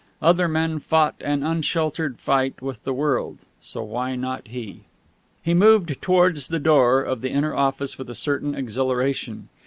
Other men fought an unsheltered fight with the world, so why not he? He moved towards the door of the inner office with a certain exhilaration.